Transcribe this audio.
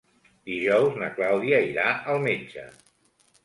Dijous na Clàudia irà al metge.